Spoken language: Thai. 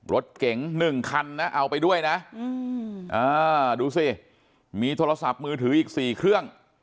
รถเก๋ง๑คันนะเอาไปด้วยนะดูสิมีโทรศัพท์มือถืออีก๔เครื่อง